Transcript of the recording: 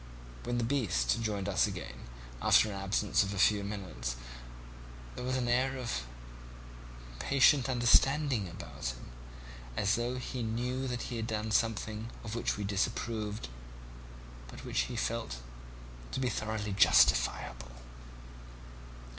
When the beast joined us again, after an absence of a few minutes, there was an air of patient understanding about him, as though he knew that he had done something of which we disapproved, but which he felt to be thoroughly justifiable.